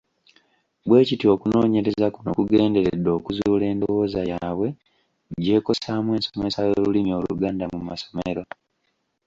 Bwe kityo okunoonyereza kuno kugenderedde okuzuula endowooza yaabwe gy’ekosaamu ensomesa y’olulimi Oluganda mu masomero.